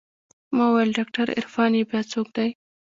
ما وويل ډاکتر عرفان يې بيا څوک دى.